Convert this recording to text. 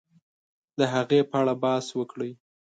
د هغې په اړه بحث وکړي